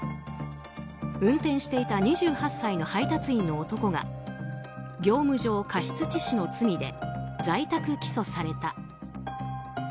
運転していた２８歳の配達員の男が業務上過失致死の罪で在宅起訴された。